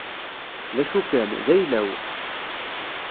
D acu kan, d ayla-w.